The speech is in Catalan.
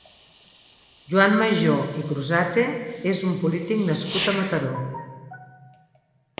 Joan Majó i Cruzate és un polític nascut a Mataró.